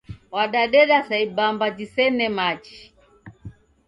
Wadadeda sa ibamba jisene machi.